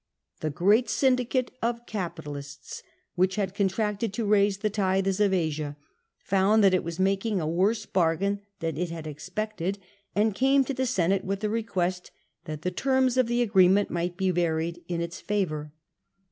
The great syndicate of capi talists which had contracted to raise the tithes of Asia found that it was making a worse bargain than it had expected, and came to the Senate with the request that the terms of the agreement might be varied in its favour.